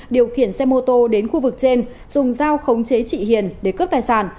điều khiển xe mô tô đến khu vực trên dùng dao khống chế chị hiền để cướp tài sản